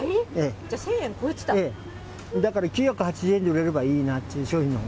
じゃあ、だから、９８０円で売れればいいなっていう商品なの。